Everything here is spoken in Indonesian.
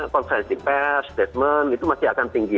konvensi pers detmen itu masih akan tinggi